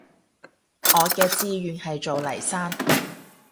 我嘅志願係做黎生